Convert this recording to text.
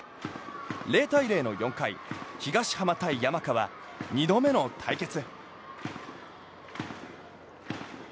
０対０の４回東浜対山川２度目の対決。